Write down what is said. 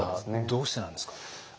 どうしてなんですか？